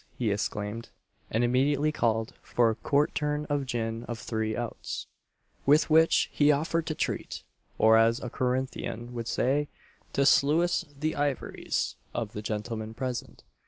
he exclaimed; and immediately called for "a quartern of gin of three outs," with which he offered to treat or as a Corinthian would say, to "sluice the ivories" of the gentlemen present.